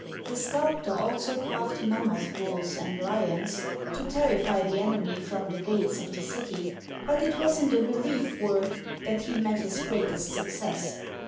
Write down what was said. The sculptor also carved mammoth bulls and lions to terrify the enemy from the gates of the city, but it was in the relief work that he met his greatest success.